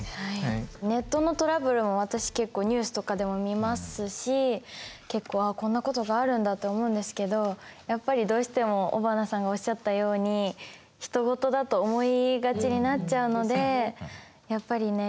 ネットのトラブルは私結構ニュースとかでも見ますし結構「あっこんなことがあるんだ」って思うんですけどやっぱりどうしても尾花さんがおっしゃったようにひと事だと思いがちになっちゃうのでやっぱりね